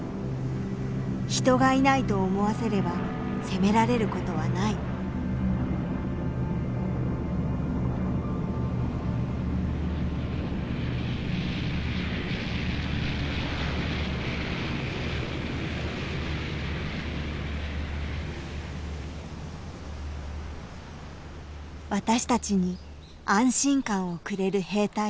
人がいないと思わせれば攻められることはない私たちに安心感をくれる兵隊さん。